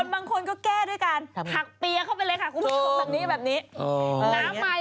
ส่องเก๋อะไรแบบนี้ไง